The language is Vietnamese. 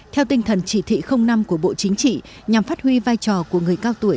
theo tinh thần chỉ thị năm của bộ chính trị nhằm phát huy vai trò của người cao tuổi